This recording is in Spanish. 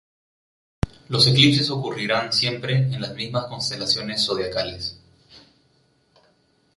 Los eclipses ocurrirían siempre en las mismas constelaciones zodiacales.